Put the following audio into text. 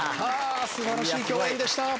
素晴らしい競演でした。